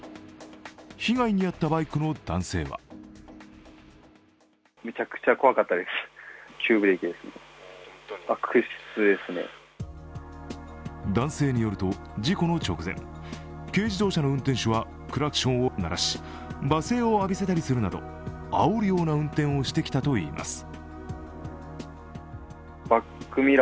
被害に遭ったバイクの男性は男性によると事故の直前、軽自動車の運転手はクラクションを鳴らし罵声を浴びせたりするなど、あおるような運転をしてきたといいます。